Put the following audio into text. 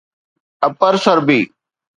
upper سربي